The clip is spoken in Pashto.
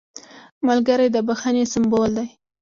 ملګری د بښنې سمبول دی